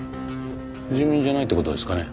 住民じゃないって事ですかね。